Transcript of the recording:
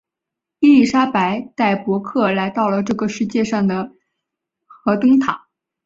伊丽莎白带伯克来到了这个世界的上面和灯塔。